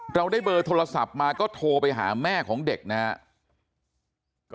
ได้เบอร์โทรศัพท์มาก็โทรไปหาแม่ของเด็กนะครับ